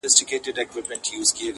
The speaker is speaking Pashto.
"اسراره!" دومره نصيبه مې نه وه